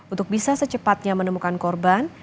untuk bisa secepatnya menemukan korban